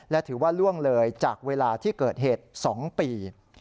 และถือว่าล่วงเลยจากเวลาที่เกิดเหตุ๒ปี